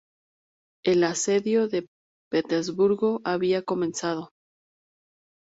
El asedio de Petersburgo había comenzado.